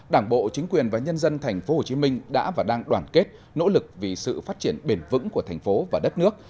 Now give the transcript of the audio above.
đảng bộ chính quyền và nhân dân tp hcm đã và đang đoàn kết nỗ lực vì sự phát triển bền vững của thành phố và đất nước